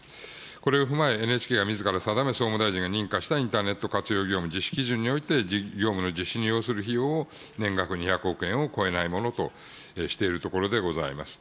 これを踏まえ、ＮＨＫがみずから定め、総務大臣が認可したインターネット活用業務実施基準において、業務の実施に要する費用を年額２００億円を超えないものとしているところでございます。